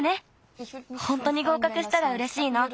ほんとにごうかくしたらうれしいな。